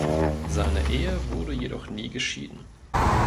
Seine Ehe wurde jedoch nie geschieden.